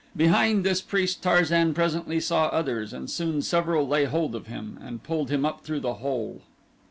Behind this priest Tarzan presently saw others and soon several lay hold of him and pulled him up through the hole.